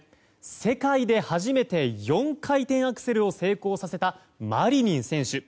世界で初めて４回転アクセルを成功させたマリニン選手。